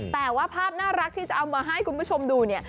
แต่ว่าภาพน่ารักที่จะเอามาให้คุณผู้ชมดูเนี่ย